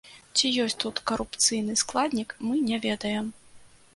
Ці ёсць тут карупцыйны складнік, мы не ведаем.